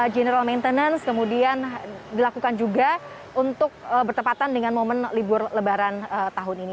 general maintenance kemudian dilakukan juga untuk bertepatan dengan momen libur lebaran tahun ini